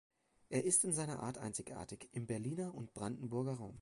Er ist in seiner Art einzigartig im Berliner und Brandenburger Raum.